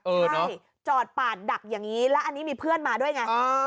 ใช่จอดปาดดักอย่างนี้แล้วอันนี้มีเพื่อนมาด้วยไง